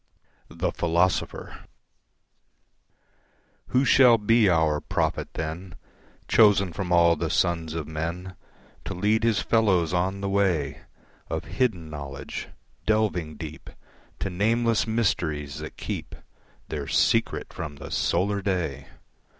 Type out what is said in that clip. The Philosopher Who shall be our prophet then, Chosen from all the sons of men To lead his fellows on the way Of hidden knowledge, delving deep To nameless mysteries that keep Their secret from the solar day!